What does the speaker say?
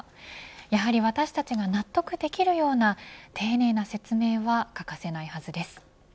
やはり私たちが納得できるような丁寧な説明は欠かせないはずです。